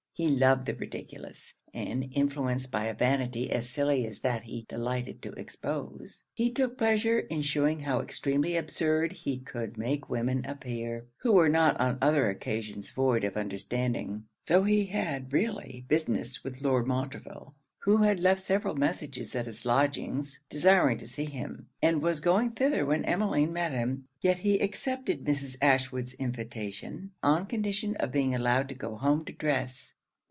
He loved the ridiculous; and, influenced by a vanity as silly as that he delighted to expose, he took pleasure in shewing how extremely absurd he could make women appear, who were not on other occasions void of understanding. Tho' he had really business with Lord Montreville, who had left several messages at his lodgings desiring to see him, and was going thither when Emmeline met him, yet he accepted Mrs. Ashwood's invitation, on condition of being allowed to go home to dress.